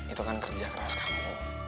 itu kan kerja keras kamu